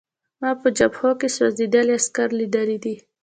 ما په جبهو کې سوځېدلي عسکر لیدلي دي